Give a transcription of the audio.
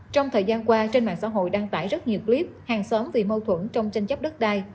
trong thời gian qua trên mạng xã hội đăng tải rất nhiều clip hàng xóm vì mâu thuẫn trong tranh chấp đất đai